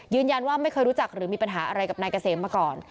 ยืนยันว่าไม่เคยรู้จักหรือมีปัญหาอะไรกับนายกะเสมมาก่อน